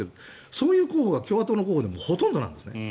そういう候補が共和党の候補でもほとんどなんですね。